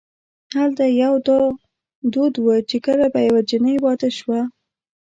هلته یو دا دود و چې کله به یوه جنۍ واده شوه.